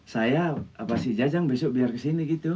saya atau si jajang besok biar ke sini gitu